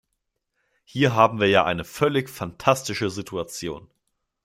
Hier haben wir ja eine völlig fantastische Situation.